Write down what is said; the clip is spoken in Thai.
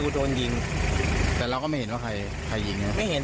โดนยิงแต่เราก็ไม่เห็นว่าใครใครยิงไงไม่เห็น